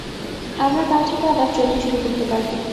আমরা কাল থেকে আবার ট্রেনিং শুরু করতে পারব।